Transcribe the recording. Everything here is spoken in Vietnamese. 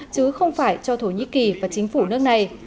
chứ không phải cho thổ nhĩ kỳ và chính phủ nước này